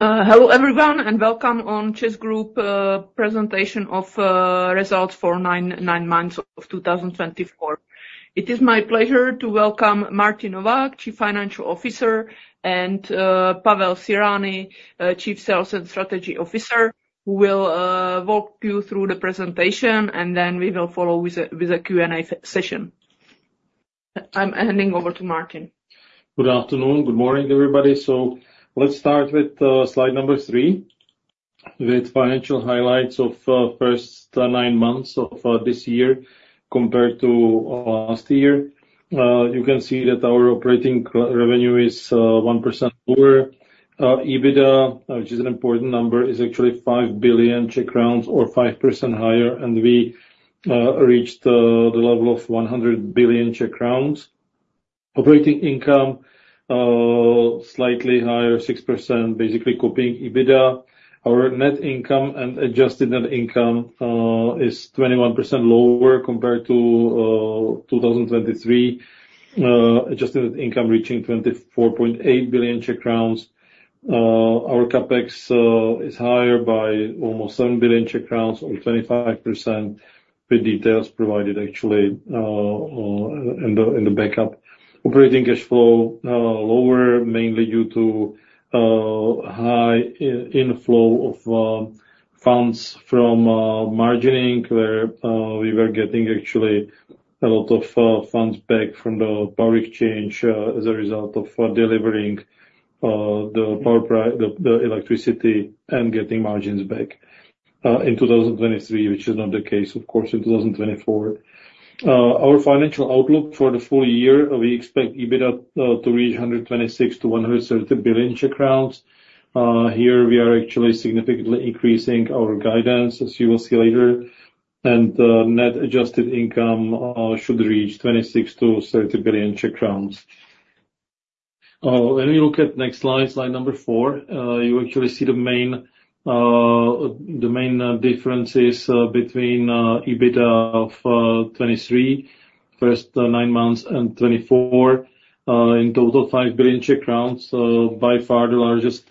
Hello everyone and welcome on ČEZ Group presentation of results for 9/9/2024. It is my pleasure to welcome Martin Novák, Chief Financial Officer, and Pavel Cyrani, Chief Sales and Strategy Officer, who will walk you through the presentation, and then we will follow with a Q&A session. I'm handing over to Martin. Good afternoon, good morning everybody. So let's start with slide number three, with financial highlights of the first nine months of this year compared to last year. You can see that our operating revenue is 1% lower. EBITDA, which is an important number, is actually 5 billion, or 5% higher, and we reached the level of 100 billion. Operating income is slightly higher, 6%, basically copying EBITDA. Our net income and adjusted net income are 21% lower compared to 2023, adjusted net income reaching 24.8 billion Czech crowns. Our CapEx is higher by almost 7 billion Czech crowns, or 25%, with details provided actually in the backup. Operating cash flow is lower, mainly due to high inflow of funds from margining, where we were getting actually a lot of funds back from the power exchange as a result of delivering the power, the electricity, and getting margins back in 2023, which is not the case, of course, in 2024. Our financial outlook for the full year, we expect EBITDA to reach 126-130 billion CZK. Here we are actually significantly increasing our guidance, as you will see later, and net adjusted income should reach 26 billion-30 billion Czech crowns. When we look at the next slide, slide number four, you actually see the main differences between EBITDA of 2023, first nine months, and 2024. In total, 5 billion. By far the largest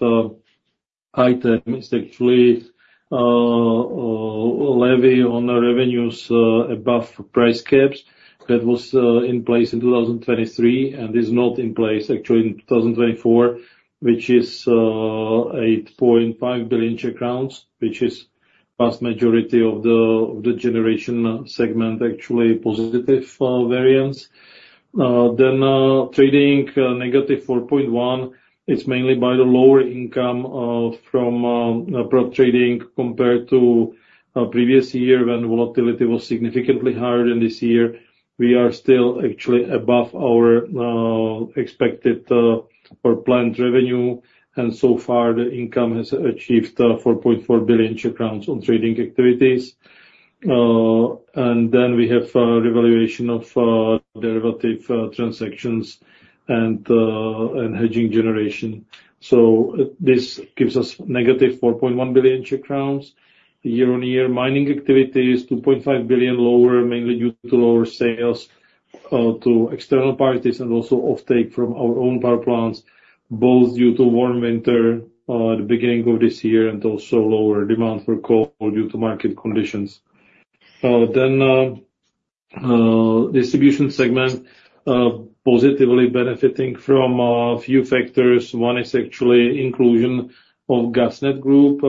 item is actually levy on revenues above price caps that was in place in 2023, and is not in place actually in 2024, which is 8.5 billion Czech crowns, which is the vast majority of the generation segment, actually positive variance. Then trading negative 4.1. It's mainly by the lower income from prop trading compared to the previous year when volatility was significantly higher than this year. We are still actually above our expected or planned revenue, and so far the income has achieved 4.4 billion on trading activities. And then we have revaluation of derivative transactions and hedging generation. So this gives us negative 4.1 billion Czech crowns. Year-on-year mining activity is 2.5 billion lower, mainly due to lower sales to external parties and also offtake from our own power plants, both due to warm winter at the beginning of this year and also lower demand for coal due to market conditions, then the distribution segment is positively benefiting from a few factors. One is actually inclusion of GasNet Group,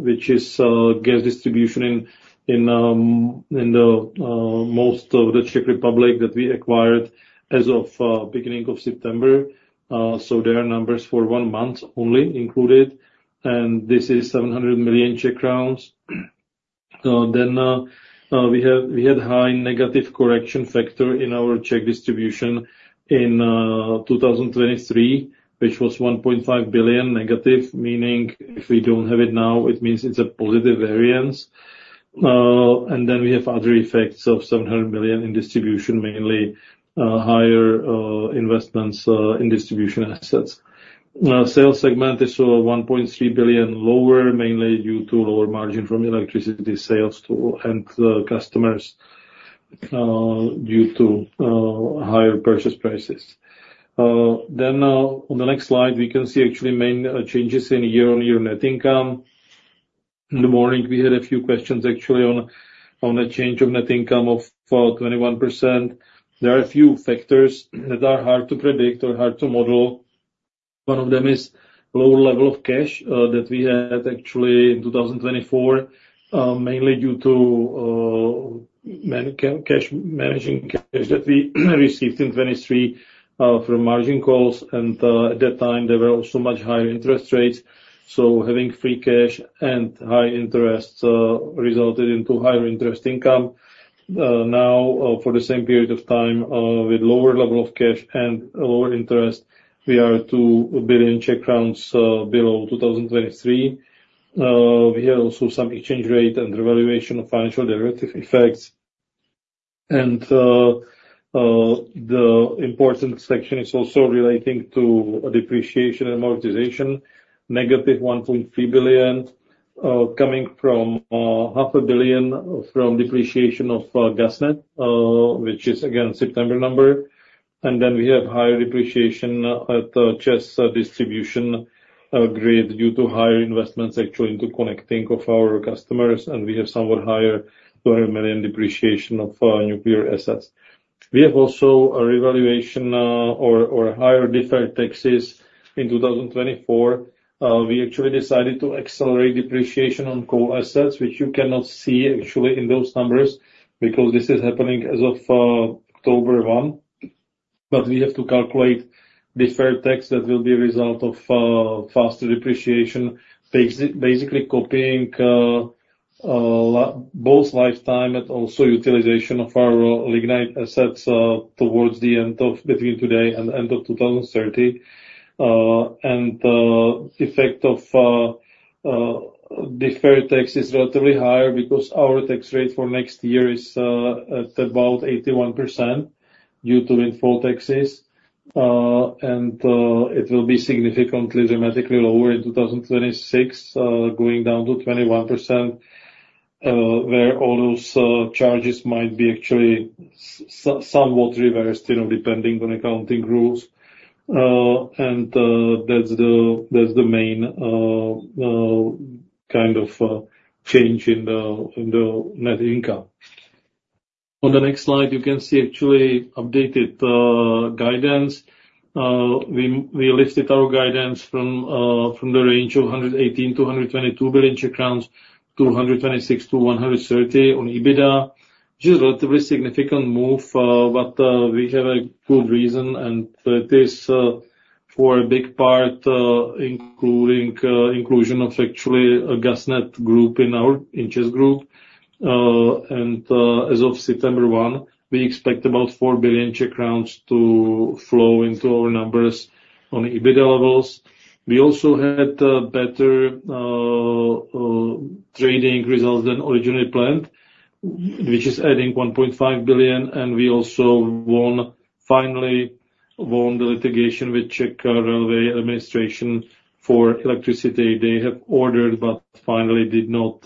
which is gas distribution in most of the Czech Republic that we acquired as of the beginning of September. So there are numbers for one month only included, and this is 700 million Czech crowns, then we had a high negative correction factor in our Czech distribution in 2023, which was 1.5 billion negative, meaning if we don't have it now, it means it's a positive variance, and then we have other effects of 700 million in distribution, mainly higher investments in distribution assets. Sales segment is 1.3 billion CZK lower, mainly due to lower margin from electricity sales to end customers due to higher purchase prices. Then on the next slide, we can see actually main changes in year-on-year net income. In the morning, we had a few questions actually on a change of net income of 21%. There are a few factors that are hard to predict or hard to model. One of them is the lower level of cash that we had actually in 2024, mainly due to managing cash that we received in 2023 from margin calls, and at that time, there were also much higher interest rates. So having free cash and high interest resulted in higher interest income. Now, for the same period of time, with lower level of cash and lower interest, we are 2 billion CZK below 2023. We have also some exchange rate and revaluation of financial derivative effects. And the important section is also relating to depreciation and amortization, negative 1.3 billion coming from 500 million from depreciation of GasNet, which is again a September number. And then we have higher depreciation at CEZ distribution grid due to higher investments actually into connecting of our customers, and we have somewhat higher 200 million depreciation of nuclear assets. We have also a revaluation or higher deferred taxes in 2024. We actually decided to accelerate depreciation on coal assets, which you cannot see actually in those numbers because this is happening as of October 1. But we have to calculate deferred tax that will be a result of faster depreciation, basically copying both lifetime and also utilization of our lignite assets towards the end of between today and the end of 2030. And the effect of deferred tax is relatively higher because our tax rate for next year is at about 81% due to windfall taxes. And it will be significantly dramatically lower in 2026, going down to 21%, where all those charges might be actually somewhat reversed depending on accounting rules. And that's the main kind of change in the net income. On the next slide, you can see actually updated guidance. We listed our guidance from the range of 118-122 billion Czech crowns to 126-130 on EBITDA, which is a relatively significant move, but we have a good reason. And it is for a big part, including inclusion of actually a GasNet Group in CEZ Group. And as of September 1, we expect about 4 billion CZK to flow into our numbers on EBITDA levels. We also had better trading results than originally planned, which is adding 1.5 billion CZK. And we also finally won the litigation with the Czech Railway Administration for electricity. They have ordered, but finally did not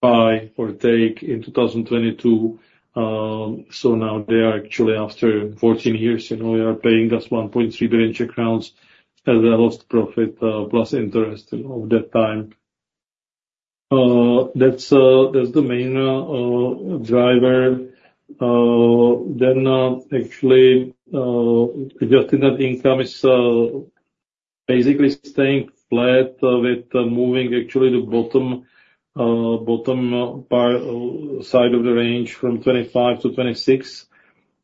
buy or take in 2022. So now they are actually, after 14 years, we are paying just 1.3 billion CZK as a lost profit plus interest of that time. That's the main driver. Then actually, adjusted net income is basically staying flat with moving actually the bottom side of the range from 25-26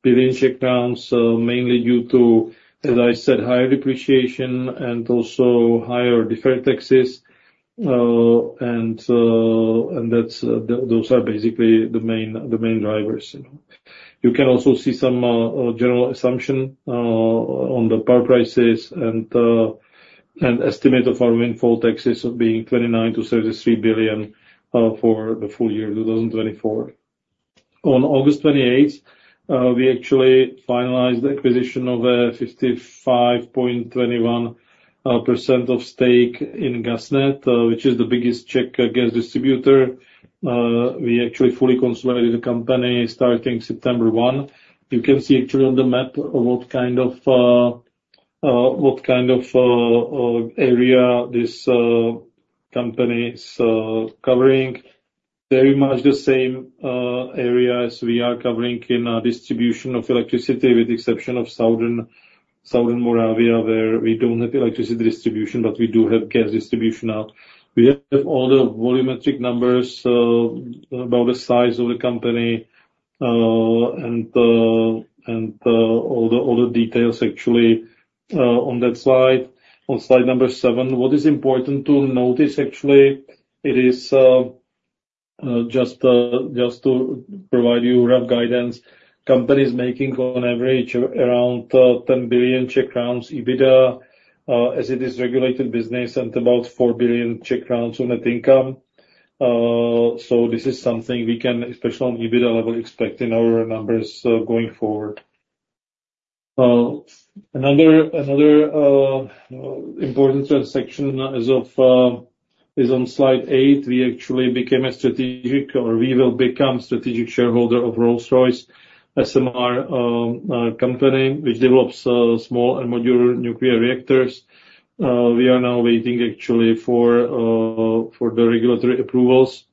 billion CZK, mainly due to, as I said, higher depreciation and also higher deferred taxes. And those are basically the main drivers. You can also see some general assumption on the power prices and estimate of our windfall taxes of being 29-33 billion CZK for the full year 2024. On August 28, we actually finalized the acquisition of a 55.21% of stake in GasNet, which is the biggest Czech gas distributor. We actually fully consolidated the company starting September 1. You can see actually on the map what kind of area this company is covering. Very much the same area as we are covering in distribution of electricity, with the exception of South Moravia, where we don't have electricity distribution, but we do have gas distribution now. We have all the volumetric numbers about the size of the company and all the details actually on that slide. On slide number seven, what is important to notice actually, it is just to provide you rough guidance, the company is making on average around 10 billion Czech crowns EBITDA as it is a regulated business and about 4 billion Czech crowns on net income. So this is something we can, especially on EBITDA level, expect in our numbers going forward. Another important section is on slide eight. We actually became a strategic, or we will become a strategic shareholder of Rolls-Royce SMR company, which develops small and modular nuclear reactors. We are now waiting actually for the regulatory approvals.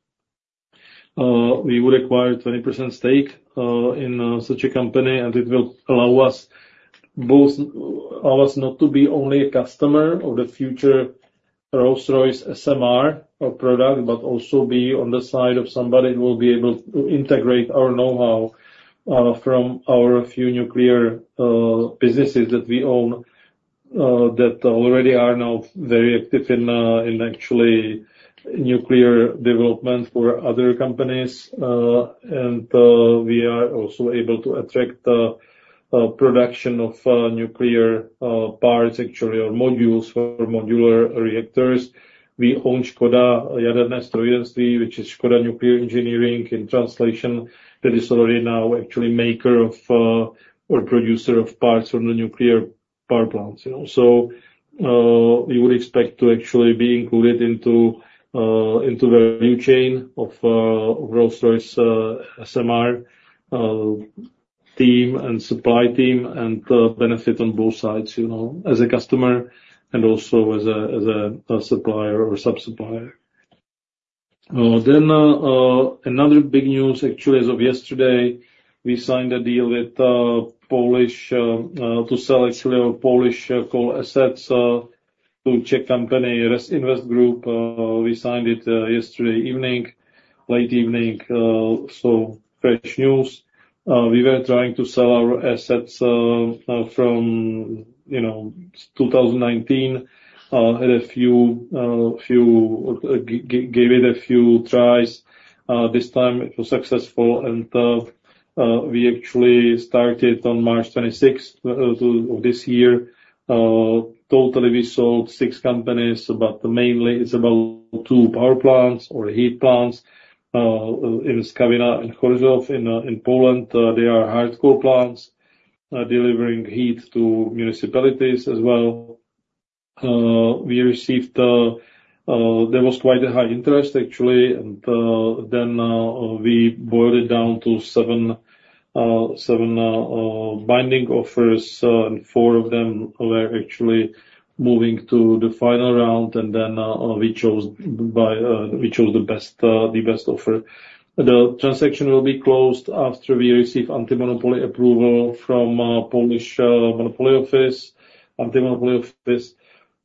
We would acquire a 20% stake in such a company, and it will allow us both not to be only a customer of the future Rolls-Royce SMR product, but also be on the side of somebody who will be able to integrate our know-how from our few nuclear businesses that we own that already are now very active in actually nuclear development for other companies. And we are also able to attract production of nuclear parts actually or modules for modular reactors. We own Škoda Jaderné Strojírenství, which is Škoda Nuclear Engineering in translation, that is already now actually a maker or producer of parts for the nuclear power plants. So we would expect to actually be included into the value chain of Rolls-Royce SMR team and supply team and benefit on both sides as a customer and also as a supplier or sub-supplier. Then another big news actually as of yesterday, we signed a deal with Polish to sell actually our Polish coal assets to a Czech company, ResInvest Group. We signed it yesterday evening, late evening. So fresh news. We were trying to sell our assets from 2019. Had a few, gave it a few tries. This time it was successful. And we actually started on March 26 of this year. Totally, we sold six companies, but mainly it's about two power plants or heat plants in Skawina and Chorzów in Poland. They are hard coal plants delivering heat to municipalities as well. We received there was quite a high interest actually. And then we boiled it down to seven binding offers, and four of them were actually moving to the final round. And then we chose the best offer. The transaction will be closed after we receive anti-monopoly approval from Polish monopoly office, anti-monopoly office,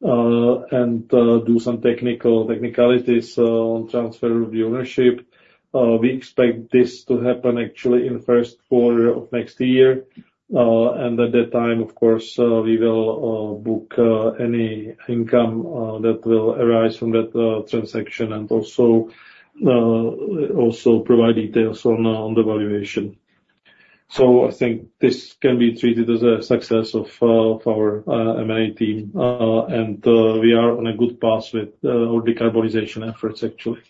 and do some technicalities on transfer of the ownership. We expect this to happen actually in the first quarter of next year. And at that time, of course, we will book any income that will arise from that transaction and also provide details on the valuation. So I think this can be treated as a success of our M&A team. We are on a good path with our decarbonization efforts actually.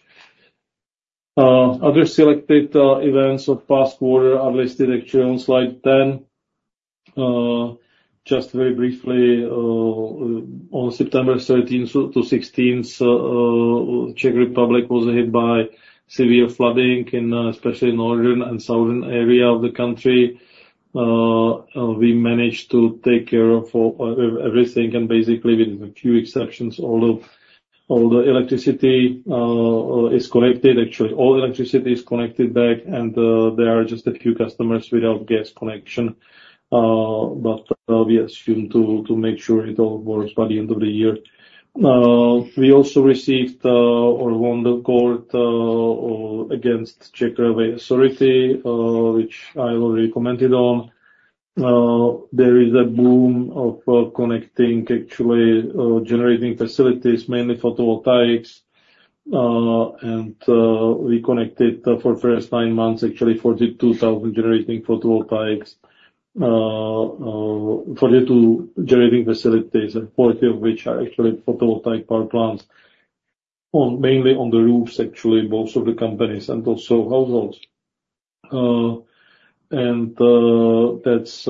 Other selected events of past quarter are listed actually on slide 10. Just very briefly, on September 13th to 16th, the Czech Republic was hit by severe flooding, especially in the northern and southern area of the country. We managed to take care of everything, and basically, with a few exceptions, all the electricity is connected. Actually, all electricity is connected back, and there are just a few customers without gas connection. We assume to make sure it all works by the end of the year. We also received or won the court against Czech Railway Administration, which I already commented on. There is a boom of connecting actually generating facilities, mainly photovoltaics. We connected for the first nine months actually 42,000 generating photovoltaics, 42 generating facilities, and 40 of which are actually photovoltaic power plants, mainly on the roofs actually, both of the companies and also households. That's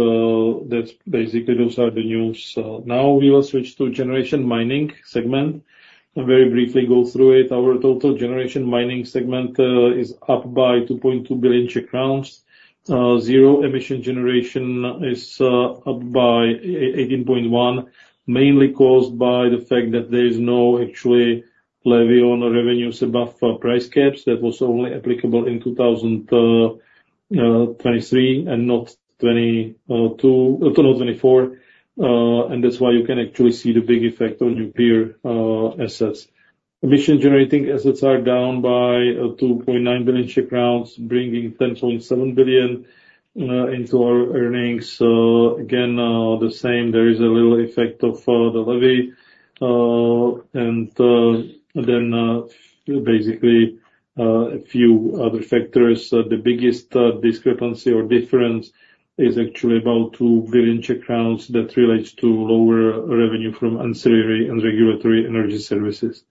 basically those are the news. Now we will switch to the generation and mining segment and very briefly go through it. Our total generation and mining segment is up by 2.2 billion Czech crowns. Zero emission generation is up by 18.1 billion, mainly caused by the fact that there is no actually levy on revenues above price caps. That was only applicable in 2023 and not 2024. That's why you can actually see the big effect on nuclear assets. Emission-generating assets are down by 2.9 billion, bringing 10.7 billion into our earnings. Again, the same, there is a little effect of the levy. Then basically a few other factors. The biggest discrepancy or difference is actually about 2 billion Czech crowns that relates to lower revenue from ancillary and regulatory energy services.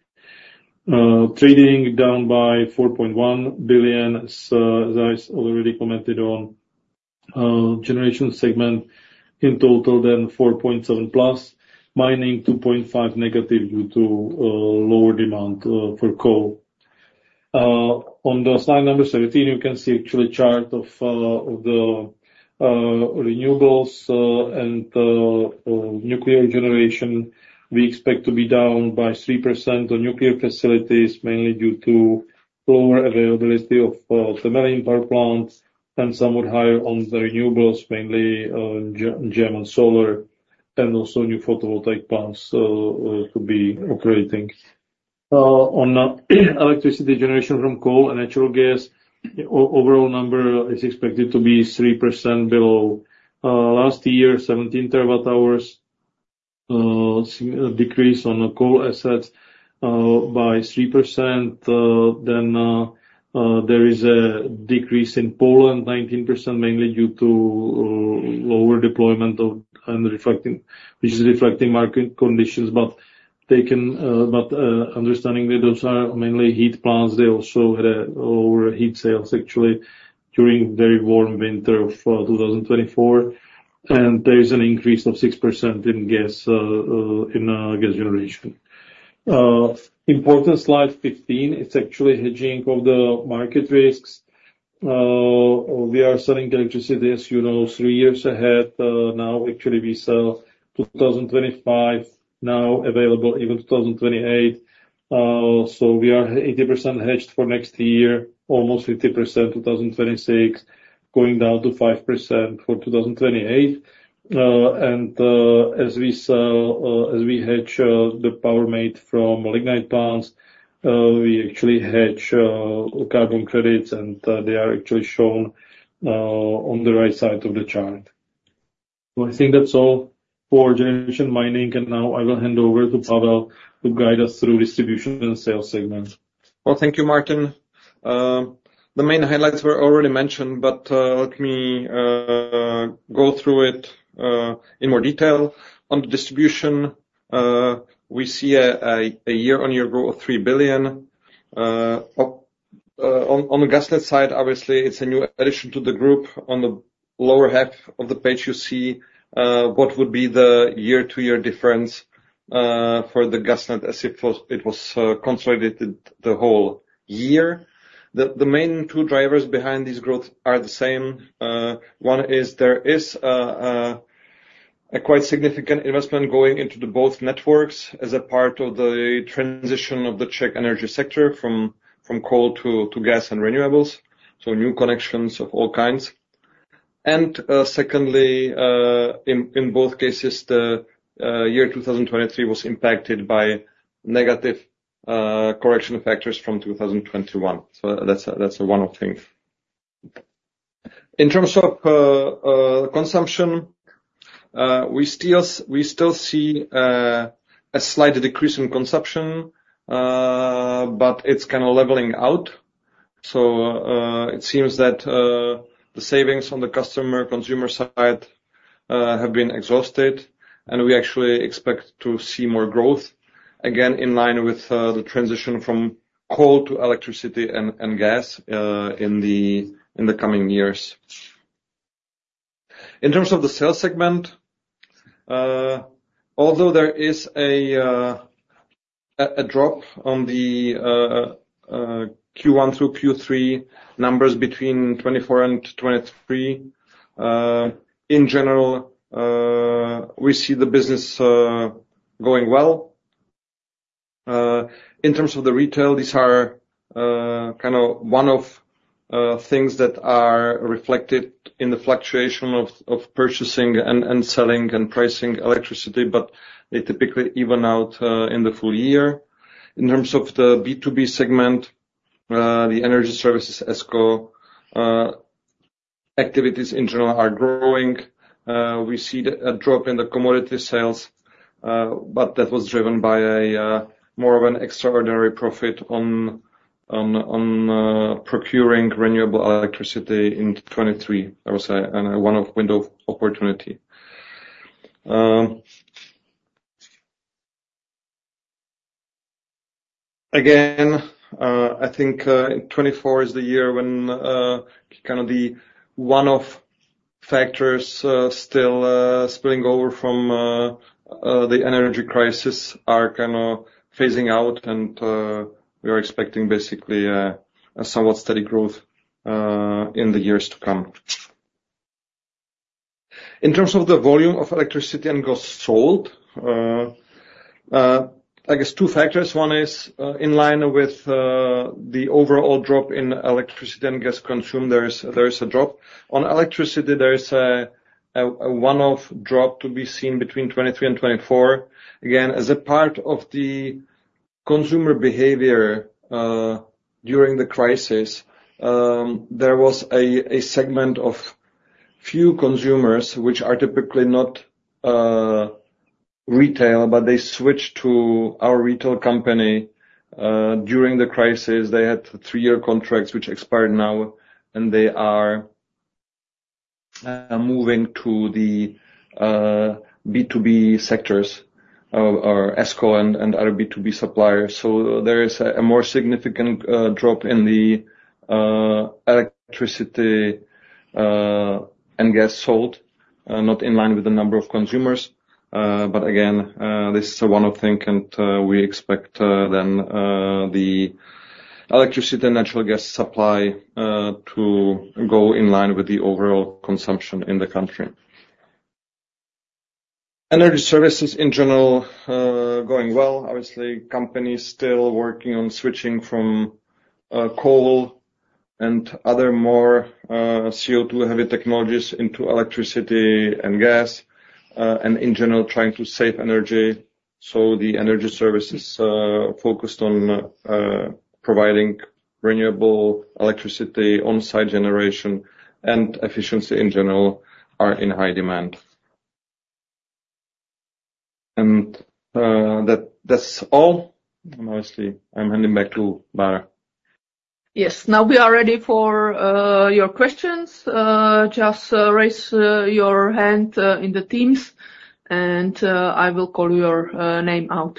Trading down by 4.1 billion, as I already commented on. Generation segment in total then 4.7 billion plus. Mining 2.5 billion negative due to lower demand for coal. On the slide number 17, you can see actually a chart of the renewables and nuclear generation. We expect to be down by 3% on nuclear facilities, mainly due to lower availability of the Temelín power plant and somewhat higher on the renewables, mainly Germany and solar and also new photovoltaic plants to be operating. On electricity generation from coal and natural gas, the overall number is expected to be 3% below. Last year, 17 terawatt-hours decrease on coal assets by 3%. Then there is a decrease in Poland, 19%, mainly due to lower deployment of, which is reflecting market conditions. But understanding that those are mainly heat plants, they also had lower heat sales actually during the very warm winter of 2024. And there is an increase of 6% in gas generation. Important slide 15, it's actually hedging of the market risks. We are selling electricity, as you know, three years ahead. Now actually we sell 2025, now available even 2028. So we are 80% hedged for next year, almost 50% 2026, going down to 5% for 2028. And as we sell, as we hedge the power made from lignite plants, we actually hedge carbon credits, and they are actually shown on the right side of the chart. So I think that's all for generation mining, and now I will hand over to Pavel to guide us through distribution and sales segment. Well, thank you, Martin. The main highlights were already mentioned, but let me go through it in more detail. On the distribution, we see a year-on-year growth of 3 billion. On the GasNet side, obviously, it's a new addition to the group. On the lower half of the page, you see what would be the year-to-year difference for the GasNet as if it was consolidated the whole year. The main two drivers behind this growth are the same. One is there is a quite significant investment going into both networks as a part of the transition of the Czech energy sector from coal to gas and renewables. So new connections of all kinds. And secondly, in both cases, the year 2023 was impacted by negative correction factors from 2021. So that's one of the things. In terms of consumption, we still see a slight decrease in consumption, but it's kind of leveling out. It seems that the savings on the customer-consumer side have been exhausted, and we actually expect to see more growth, again, in line with the transition from coal to electricity and gas in the coming years. In terms of the sales segment, although there is a drop on the Q1 through Q3 numbers between 2024 and 2023, in general, we see the business going well. In terms of the retail, these are kind of one of the things that are reflected in the fluctuation of purchasing and selling and pricing electricity, but they typically even out in the full year. In terms of the B2B segment, the energy services ESCO activities in general are growing. We see a drop in the commodity sales, but that was driven by more of an extraordinary profit on procuring renewable electricity in 2023. That was one-off window of opportunity. Again, I think 2024 is the year when kind of the one-off factors still spilling over from the energy crisis are kind of phasing out, and we are expecting basically a somewhat steady growth in the years to come. In terms of the volume of electricity and gas sold, I guess two factors. One is in line with the overall drop in electricity and gas consumed. There is a drop. On electricity, there is a one-off drop to be seen between 2023 and 2024. Again, as a part of the consumer behavior during the crisis, there was a segment of few consumers which are typically not retail, but they switched to our retail company during the crisis. They had three-year contracts which expired now, and they are moving to the B2B sectors or ESCO and other B2B suppliers. There is a more significant drop in the electricity and gas sold, not in line with the number of consumers. But again, this is a one-off thing, and we expect then the electricity and natural gas supply to go in line with the overall consumption in the country. Energy services in general going well. Obviously, companies still working on switching from coal and other more CO2-heavy technologies into electricity and gas, and in general, trying to save energy. So the energy services focused on providing renewable electricity on-site generation and efficiency in general are in high demand. And that's all. And obviously, I'm handing back to Bára. Yes. Now we are ready for your questions. Just raise your hand in the teams, and I will call your name out.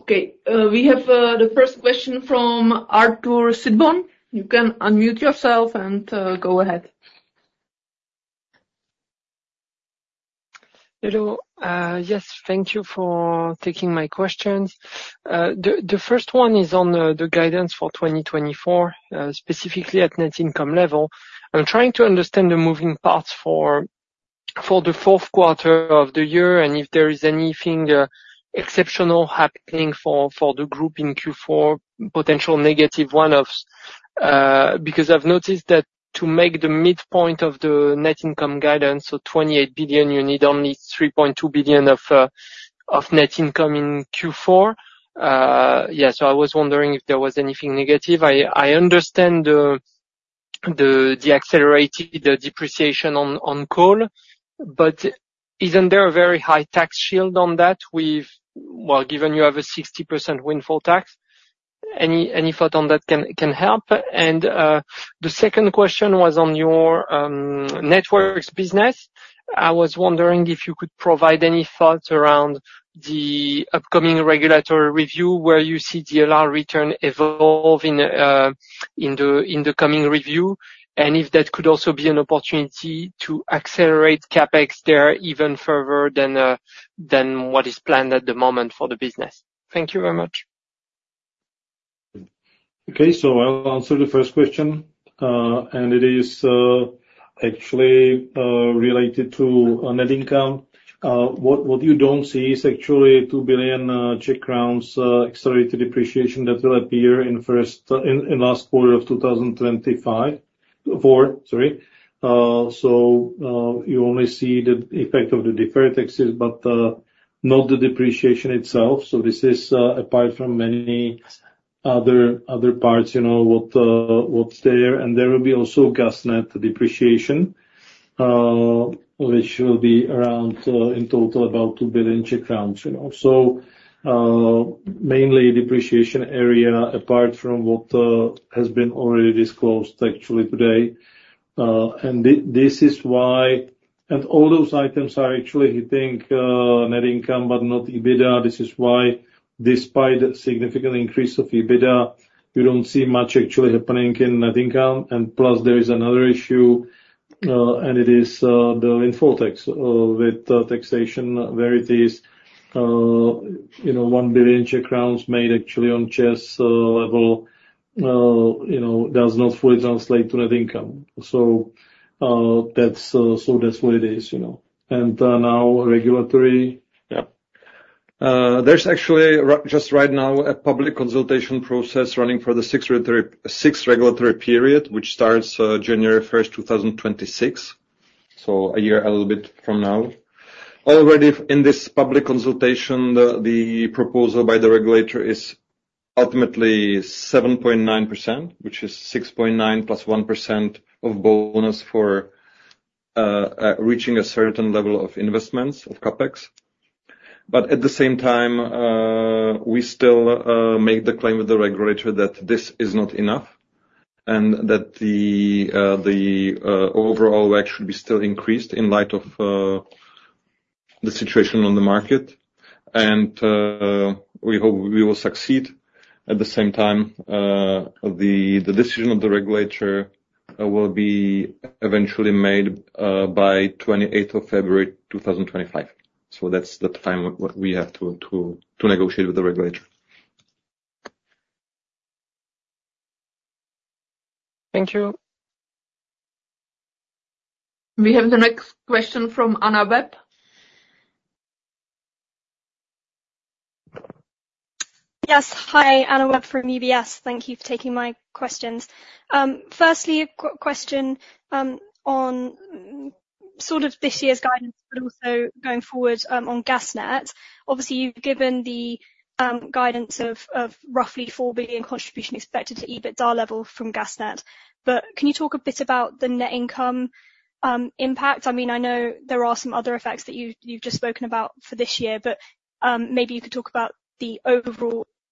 Okay. We have the first question from Arthur Sitbon. You can unmute yourself and go ahead. Hello. Yes. Thank you for taking my questions. The first one is on the guidance for 2024, specifically at net income level. I'm trying to understand the moving parts for the fourth quarter of the year and if there is anything exceptional happening for the group in Q4, potential negative one-offs. Because I've noticed that to make the midpoint of the net income guidance, so 28 billion, you need only 3.2 billion of net income in Q4. Yeah. So I was wondering if there was anything negative. I understand the accelerated depreciation on coal, but isn't there a very high tax shield on that? Well, given you have a 60% windfall tax, any thought on that can help? And the second question was on your networks business. I was wondering if you could provide any thoughts around the upcoming regulatory review where you see the allowed return evolve in the coming review, and if that could also be an opportunity to accelerate CapEx there even further than what is planned at the moment for the business. Thank you very much. Okay. So I'll answer the first question, and it is actually related to net income. What you don't see is actually 2 billion Czech crowns accelerated depreciation that will appear in last quarter of 2024. Sorry. So you only see the effect of the deferred taxes, but not the depreciation itself. So this is apart from many other parts what's there. And there will be also GasNet depreciation, which will be around in total about 2 billion Czech crowns. So mainly depreciation area apart from what has been already disclosed actually today. And this is why all those items are actually hitting net income, but not EBITDA. This is why despite the significant increase of EBITDA, you don't see much actually happening in net income. And plus, there is another issue, and it is the windfall tax with taxation where it is 1 billion Czech crowns made actually on ČEZ level does not fully translate to net income. So that's what it is. And now regulatory. Yeah. There's actually just right now a public consultation process running for the sixth regulatory period, which starts January 1st, 2026. So a year a little bit from now. Already in this public consultation, the proposal by the regulator is ultimately 7.9%, which is 6.9 plus 1% of bonus for reaching a certain level of investments of CapEx. But at the same time, we still make the claim with the regulator that this is not enough and that the overall WACC should be still increased in light of the situation on the market. And we hope we will succeed. At the same time, the decision of the regulator will be eventually made by 28th of February, 2025. So that's the time we have to negotiate with the regulator. Thank you. We have the next question from Anna Webb. Yes. Hi, Anna Webb from UBS. Thank you for taking my questions. Firstly, a question on sort of this year's guidance, but also going forward on GasNet. Obviously, you've given the guidance of roughly 4 billion contribution expected to EBITDA level from GasNet. But can you talk a bit about the net income impact? I mean, I know there are some other effects that you've just spoken about for this year, but maybe you could talk about the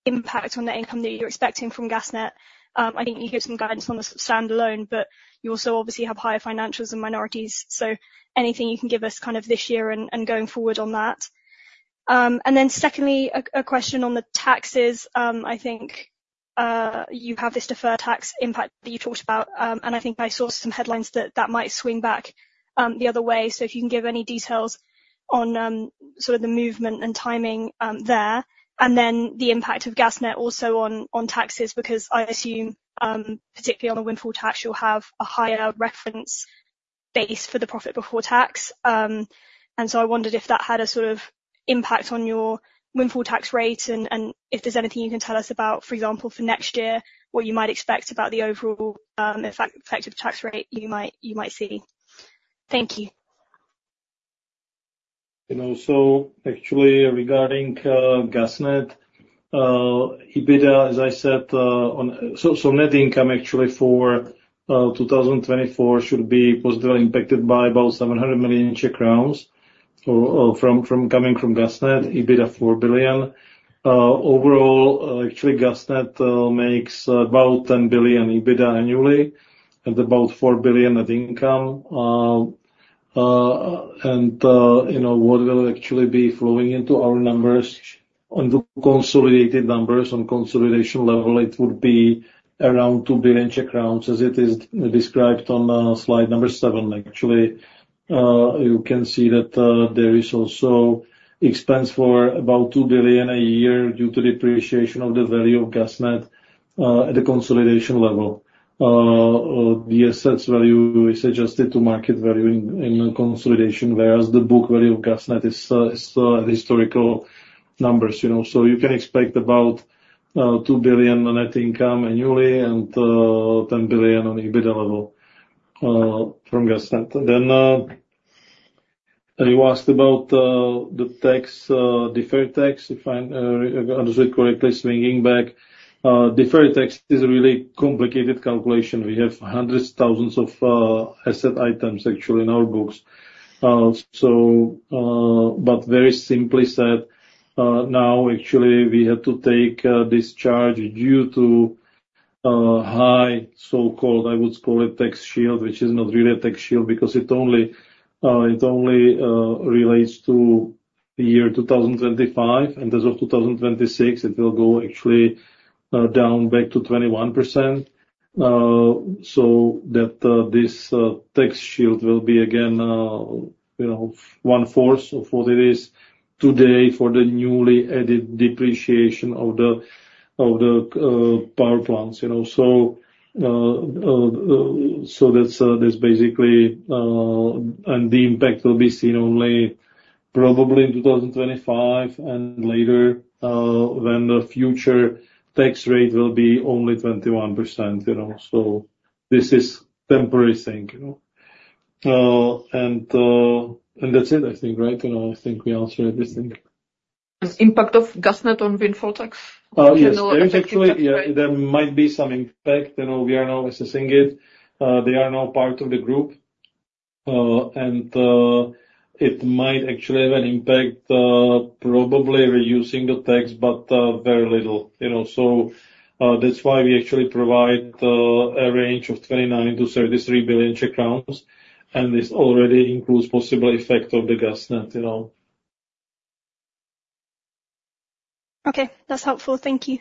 overall impact on net income that you're expecting from GasNet. I think you gave some guidance on the standalone, but you also obviously have higher financials and minorities. So anything you can give us kind of this year and going forward on that. And then secondly, a question on the taxes. I think you have this deferred tax impact that you talked about, and I think I saw some headlines that that might swing back the other way. So if you can give any details on sort of the movement and timing there, and then the impact of GasNet also on taxes, because I assume particularly on the windfall tax, you'll have a higher reference base for the profit before tax. And so I wondered if that had a sort of impact on your windfall tax rate and if there's anything you can tell us about, for example, for next year, what you might expect about the overall effective tax rate you might see. Thank you. And also actually regarding GasNet EBITDA, as I said, so net income actually for 2024 should be positively impacted by about 700 million Czech crowns from GasNet. EBITDA: 4 billion. Overall, actually GasNet makes about 10 billion EBITDA annually and about 4 billion net income. And what will actually be flowing into our numbers on the consolidated numbers on consolidation level, it would be around 2 billion Czech crowns as it is described on slide number seven. Actually, you can see that there is also expense for about 2 billion a year due to depreciation of the value of GasNet at the consolidation level. The assets value is adjusted to market value in consolidation, whereas the book value of GasNet is historical numbers. So you can expect about 2 billion net income annually and 10 billion on EBITDA level from GasNet. Then you asked about the deferred tax. If I understood correctly, swinging back, deferred tax is a really complicated calculation. We have hundreds, thousands of asset items actually in our books. But very simply said, now actually we have to take this charge due to high so-called, I would call it tax shield, which is not really a tax shield because it only relates to the year 2025. In terms of 2026, it will go actually down back to 21%. So that this tax shield will be again one-fourth of what it is today for the newly added depreciation of the power plants. So that's basically, and the impact will be seen only probably in 2025 and later when the future tax rate will be only 21%. So this is temporary thing. And that's it, I think, right? I think we answered everything. The impact of GasNet on windfall tax in general? There might be some impact. We are now assessing it. They are now part of the group, and it might actually have an impact probably reducing the tax, but very little. So that's why we actually provide a range of 29-33 billion Czech crowns, and this already includes possible effect of the GasNet. Okay. That's helpful. Thank you.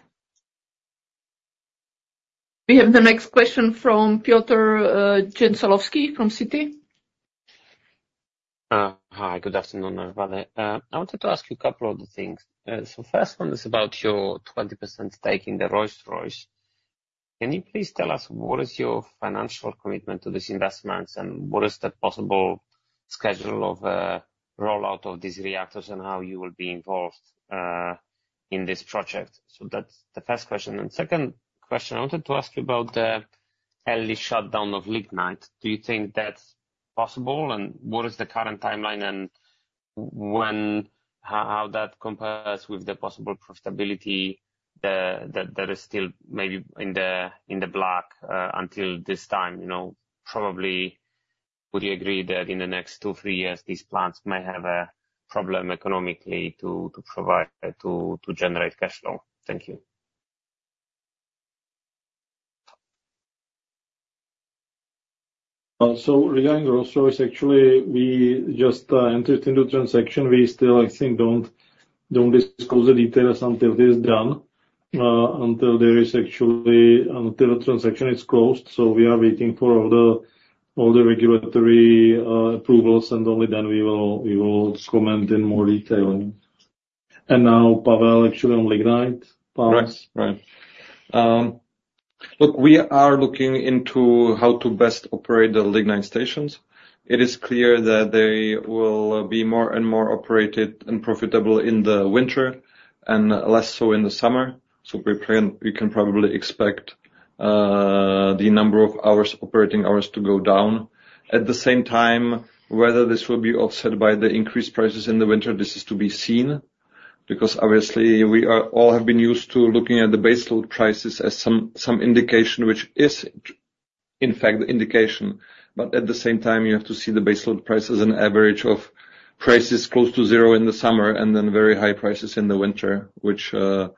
We have the next question from Piotr Dzięciołowski from Citi. Hi. Good afternoon, Bára. I wanted to ask you a couple of things. So first one is about your 20% stake in the Rolls-Royce. Can you please tell us what is your financial commitment to this investment and what is the possible schedule of rollout of these reactors and how you will be involved in this project? So that's the first question. And second question, I wanted to ask you about the early shutdown of lignite. Do you think that's possible? And what is the current timeline and how that compares with the possible profitability that is still maybe in the black until this time? Probably, would you agree that in the next two, three years, these plants may have a problem economically to generate cash flow? Thank you. Regarding Rolls-Royce, actually, we just entered into the transaction. We still, I think, don't disclose the details until it is done, until the transaction is actually closed. We are waiting for all the regulatory approvals, and only then we will comment in more detail. Now, Pavel actually on Lignite. Right. Look, we are looking into how to best operate the Lignite stations. It is clear that they will be more and more operated and profitable in the winter and less so in the summer. We can probably expect the number of operating hours to go down. At the same time, whether this will be offset by the increased prices in the winter, this is to be seen because obviously, we all have been used to looking at the base load prices as some indication, which is in fact the indication. But at the same time, you have to see the base load price as an average of prices close to zero in the summer and then very high prices in the winter, which the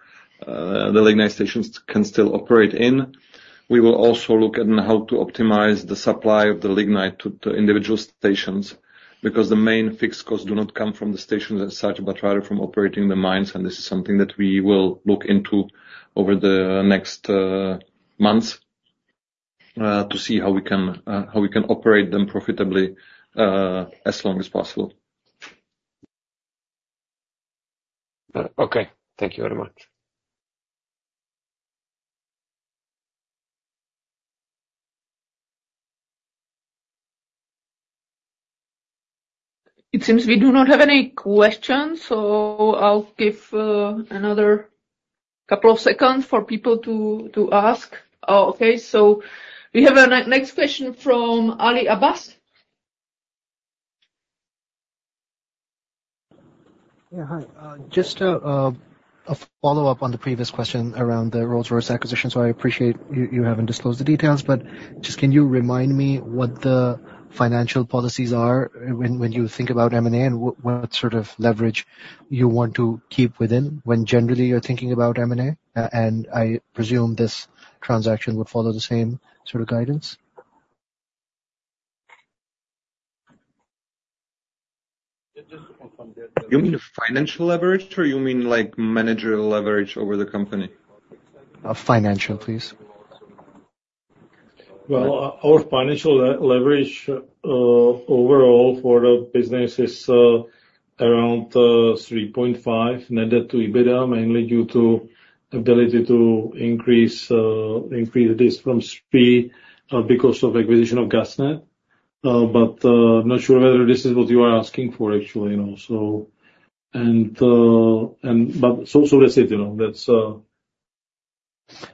Lignite stations can still operate in. We will also look at how to optimize the supply of the Lignite to the individual stations because the main fixed costs do not come from the stations as such, but rather from operating the mines. And this is something that we will look into over the next months to see how we can operate them profitably as long as possible. Okay. Thank you very much. It seems we do not have any questions, so I'll give another couple of seconds for people to ask. Okay. So we have a next question from Ali Abbas. Yeah. Hi. Just a follow-up on the previous question around the Rolls-Royce acquisition. I appreciate you haven't disclosed the details, but just can you remind me what the financial policies are when you think about M&A and what sort of leverage you want to keep within when generally you're thinking about M&A? And I presume this transaction would follow the same sort of guidance. You mean financial leverage or you mean managerial leverage over the company? Financial, please. Well, our financial leverage overall for the business is around 3.5x net debt to EBITDA, mainly due to ability to increase this from 2x because of acquisition of GasNet. But not sure whether this is what you are asking for, actually. And so that's it.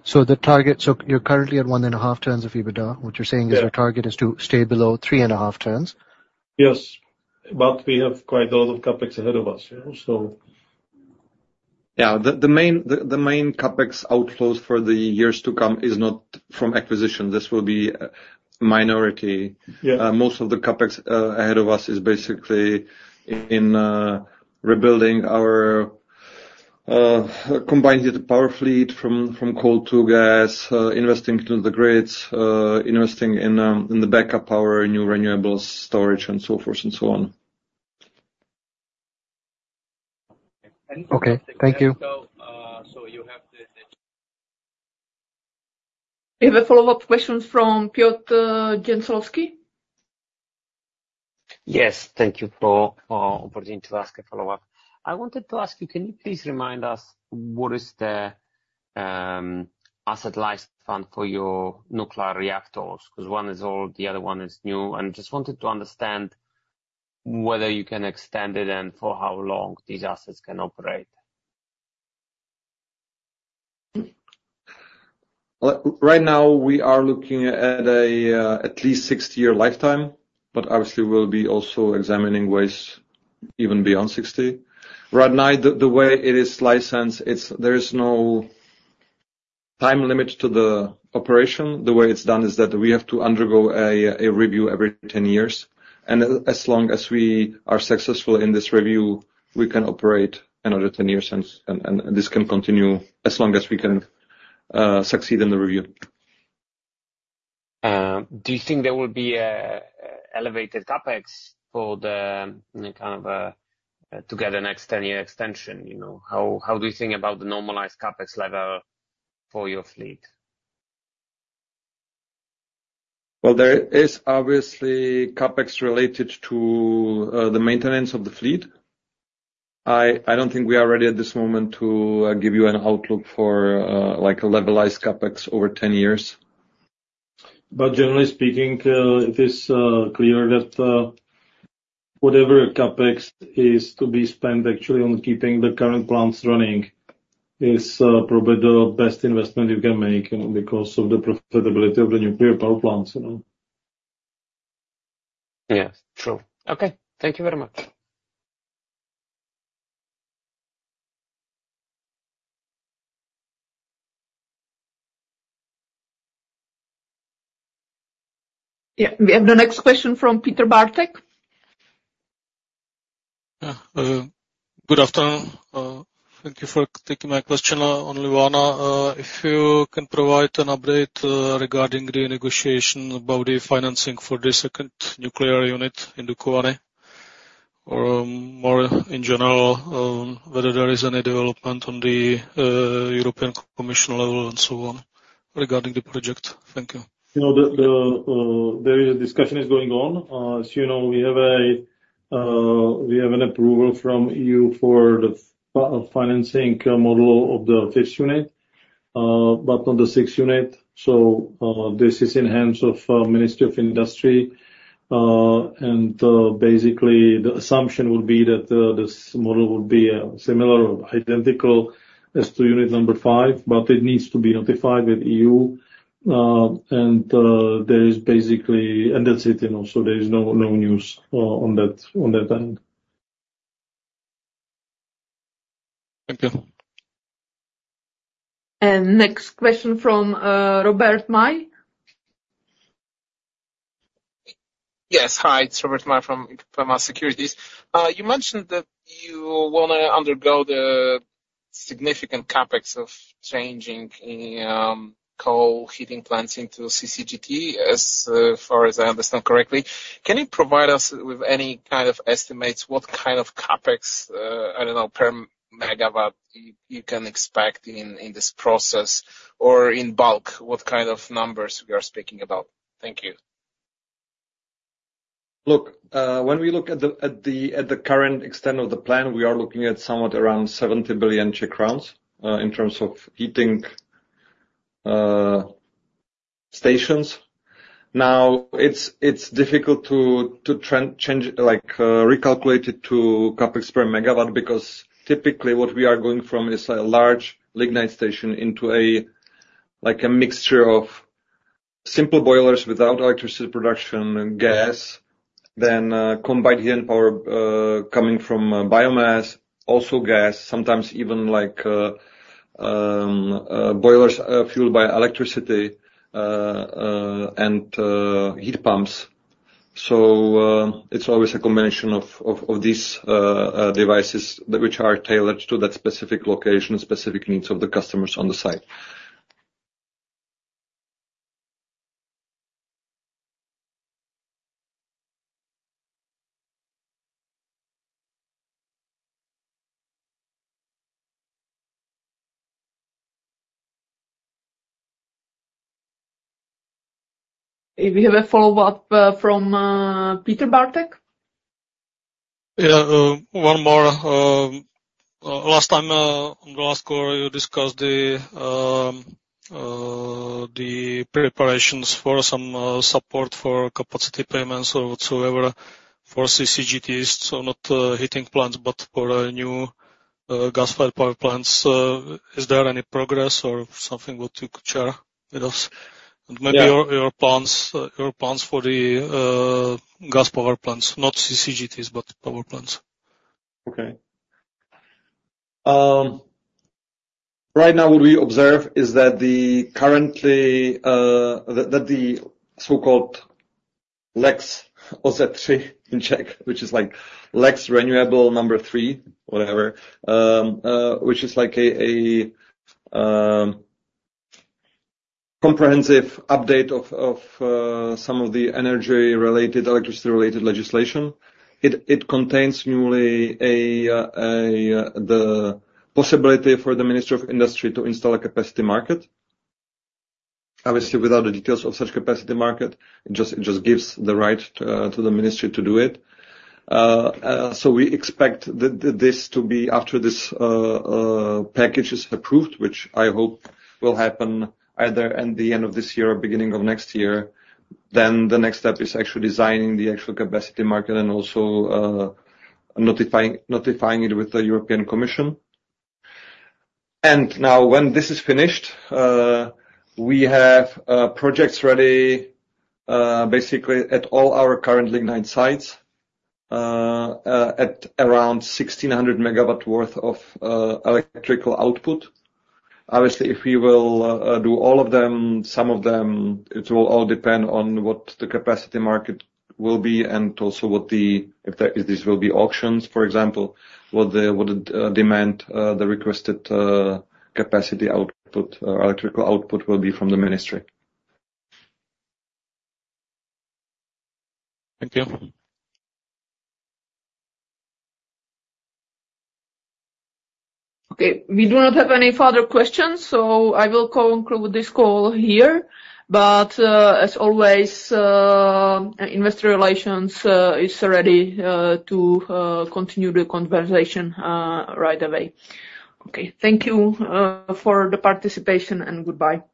So you're currently at 1.5 times EBITDA, which you're saying is your target is to stay below 3.5 times? Yes. But we have quite a lot of CapEx ahead of us, so. Yeah. The main CapEx outflows for the years to come is not from acquisition. This will be minority. Most of the CapEx ahead of us is basically in rebuilding our combined power fleet from coal to gas, investing into the grids, investing in the backup power, new renewables, storage, and so forth and so on. Okay. Thank you. So you have the. We have a follow-up question from Piotr Dzięciołowski. Yes. Thank you for the opportunity to ask a follow-up. I wanted to ask you, can you please remind us what is the asset lifetime for your nuclear reactors? Because one is old, the other one is new. And just wanted to understand whether you can extend it and for how long these assets can operate. Right now, we are looking at at least 60-year lifetime, but obviously, we'll be also examining ways even beyond 60. Right now, the way it is licensed, there is no time limit to the operation. The way it's done is that we have to undergo a review every 10 years, and as long as we are successful in this review, we can operate another 10 years, and this can continue as long as we can succeed in the review. Do you think there will be an elevated CapEx for the kind of to get a next 10-year extension? How do you think about the normalized CapEx level for your fleet? Well, there is obviously CapEx related to the maintenance of the fleet. I don't think we are ready at this moment to give you an outlook for a levelized CapEx over 10 years. But generally speaking, it is clear that whatever CapEx is to be spent actually on keeping the current plants running is probably the best investment you can make because of the profitability of the nuclear power plants. Yeah. True. Okay. Thank you very much. Yeah. We have the next question from Petr Bártek. Good afternoon. Thank you for taking my question, only one. If you can provide an update regarding the negotiation about the financing for the second nuclear unit in Dukovany or more in general, whether there is any development on the European Commission level and so on regarding the project. Thank you. There is a discussion going on. As you know, we have an approval from EU for the financing model of the fifth unit, but not the sixth unit. So this is in the hands of the Ministry of Industry. Basically, the assumption would be that this model would be similar or identical as to unit number five, but it needs to be notified with EU. There is basically and that's it. There is no news on that end. Thank you. Next question from Robert Maj. Yes. Hi. It's Robert Maj from Ipopema Securities. You mentioned that you want to undergo the significant CapEx of changing coal heating plants into CCGT, as far as I understand correctly. Can you provide us with any kind of estimates? What kind of CapEx, I don't know, per megawatt you can expect in this process? Or in bulk, what kind of numbers we are speaking about? Thank you. Look, when we look at the current extent of the plan, we are looking at somewhat around 70 billion Czech crowns in terms of heating stations. Now, it's difficult to recalculate it to CapEx per megawatt because typically what we are going from is a large lignite station into a mixture of simple boilers without electricity production and gas, then combined heating power coming from biomass, also gas, sometimes even boilers fueled by electricity and heat pumps. So it's always a combination of these devices which are tailored to that specific location, specific needs of the customers on the site. We have a follow-up from Petr Bártek. Yeah. One more. Last time, on the last call, you discussed the preparations for some support for capacity payments or whatsoever for CCGTs, so not heating plants, but for new gas-fired power plants. Is there any progress or something that you could share with us? And maybe your plans for the gas power plants, not CCGTs, but power plants. Okay. Right now, what we observe is that currently the so-called Lex OZE III in Czech, which is like Lex Renewable Number Three, whatever, which is like a comprehensive update of some of the energy-related, electricity-related legislation. It contains newly the possibility for the Ministry of Industry to install a capacity market. Obviously, without the details of such capacity market, it just gives the right to the Ministry to do it. So we expect this to be after this package is approved, which I hope will happen either at the end of this year or beginning of next year. Then the next step is actually designing the actual capacity market and also notifying it with the European Commission. Now, when this is finished, we have projects ready, basically, at all our current lignite sites at around 1,600 megawatt worth of electrical output. Obviously, if we will do all of them, some of them, it will all depend on what the capacity market will be and also what the if there will be auctions, for example, what the demand, the requested capacity output, electrical output will be from the Ministry. Thank you. Okay. We do not have any further questions, so I will conclude this call here. But as always, investor relations is ready to continue the conversation right away. Okay. Thank you for the participation and goodbye. Goodbye.